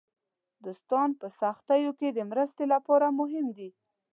دوستان په سختیو کې د مرستې لپاره مهم دي.